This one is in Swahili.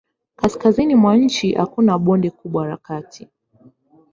Kaskazini mwa nchi hakuna bonde kubwa la kati.